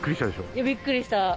いや、びっくりした。